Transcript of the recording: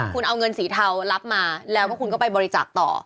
คุณเอาเงินสีเทารับมาแล้วก็คุณก็ไปบริจาคต่อ